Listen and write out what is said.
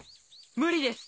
無理です！